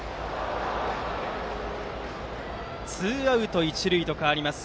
ツーアウト、一塁と変わります。